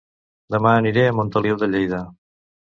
Dema aniré a Montoliu de Lleida